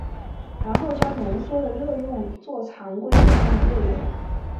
然后将浓缩的热用作常规电站的热源。